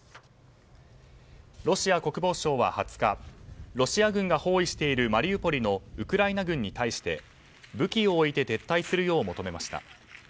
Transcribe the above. ロシア国防省は２０日ロシア軍が包囲しているマリウポリのウクライナ軍に対して武器を置いて撤退するよう求めました。